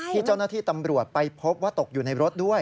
ที่เจ้าหน้าที่ตำรวจไปพบว่าตกอยู่ในรถด้วย